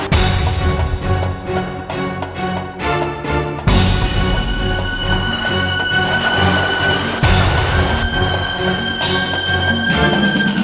tidak ada kesempatan